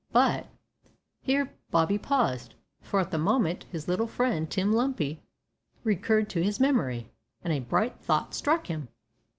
But " Here Bobby paused, for at the moment his little friend Tim Lumpy recurred to his memory, and a bright thought struck him.